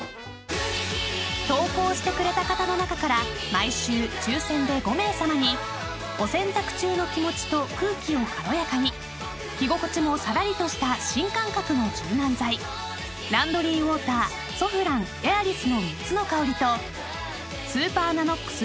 ［投稿してくれた方の中から毎週抽選で５名さまにお洗濯中の気持ちと空気を軽やかに着心地もさらりとした新感覚の柔軟剤ランドリーウォーターソフランＡｉｒｉｓの３つの香りとスーパーＮＡＮＯＸ